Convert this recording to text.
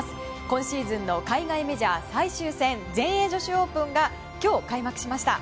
今シーズンの海外メジャー最終戦全英女子オープンが今日、開幕しました。